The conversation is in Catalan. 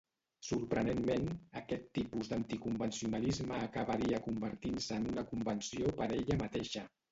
Sorprenentment, aquest tipus d'anticonvencionalisme acabaria convertint-se en una convenció per ella mateixa.